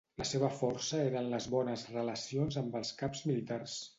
La seva força eren les bones relacions amb els caps militars.